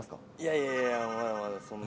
いやいやいや、まだまだそんな。